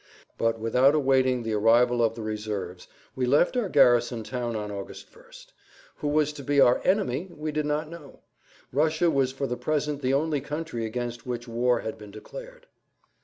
But without awaiting the arrival of the reserves we left our garrison town on August 1st. Who was to be our "enemy" we did not know; Russia was for the present the only country against which war had been declared.